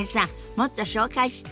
もっと紹介して。